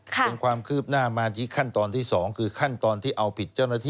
เป็นความคืบหน้ามาที่ขั้นตอนที่๒คือขั้นตอนที่เอาผิดเจ้าหน้าที่